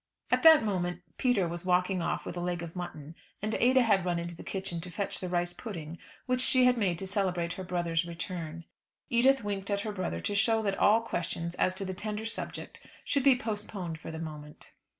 At that moment Peter was walking off with the leg of mutton, and Ada had run into the kitchen to fetch the rice pudding, which she had made to celebrate her brother's return. Edith winked at her brother to show that all questions as to the tender subject should be postponed for the moment.